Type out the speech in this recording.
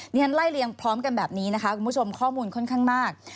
ในการไล่เลี้ยงพร้อมกันแบบนี้คุณผู้ชมข้อมูลค่อนข้างมาก